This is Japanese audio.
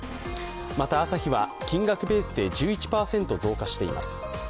また、アサヒは金額ベースで１１％増加しています。